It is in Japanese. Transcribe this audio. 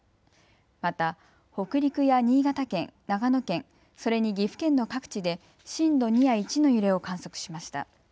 また北陸や新潟県、長野県、それに岐阜県の各地で震度２や１の揺れを観測しました。